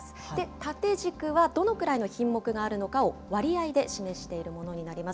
縦軸はどのくらいの品目があるのかを割合で示しているものになります。